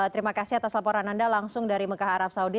terima kasih atas laporan anda langsung dari mekah arab saudi